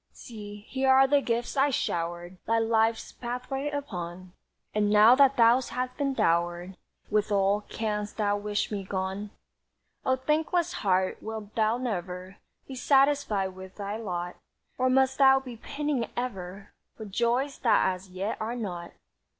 "See, here are the gifts I showered Thy life's pathway upon, And now that thou hast been dowered With all, canst thou wish me gone? "O thankless heart, wilt thou never Be satisfied with thy lot, Or must thou be pining ever For joys that as yet are not?